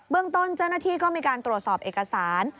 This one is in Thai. เรื่องต้นเจ้าหน้าที่ก็มีการตรวจสอบเอกสาร